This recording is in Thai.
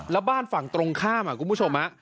แล้วบ้านฝั่งตรงข้ามคุณผู้ชม